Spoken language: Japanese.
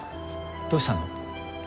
どうしたの？